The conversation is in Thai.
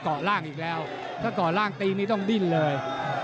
ล่างอีกแล้วถ้าเกาะล่างตีนี่ต้องดิ้นเลย